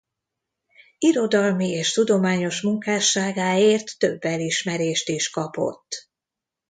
Irodalmi és tudományos munkásságáért több elismerést is kapott.